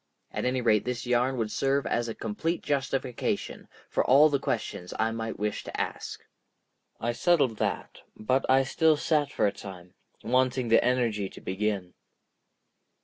At any rate this yarn would serve as a complete justification for all the questions I might wish to ask. I settled that, but I still sat for a time, wanting the energy to begin.